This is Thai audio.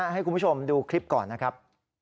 ให้คุณผู้ชมดูคลิปก่อนนะครับ